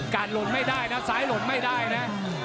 หล่นไม่ได้นะซ้ายหล่นไม่ได้นะ